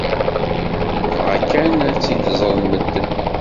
Tebɣa kan ad tt-id-ẓren medden.